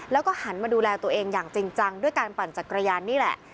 แล้วก็หันมาดูแลตัวเองอย่างจริงจังด้วยการปั่นจักรยานนี่แหละ